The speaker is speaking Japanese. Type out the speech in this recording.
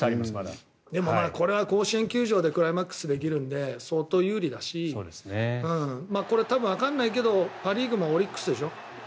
でもこれは甲子園球場でクライマックスできるので相当有利だしこれ多分、わからないけどパ・リーグもオリックスでしょ。